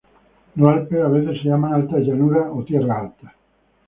Los Alpes a veces se llaman Altas Llanuras o Tierra Alta.